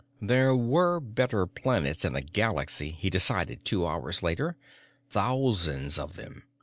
There were better planets in the galaxy, he decided two hours later. Thousands of them.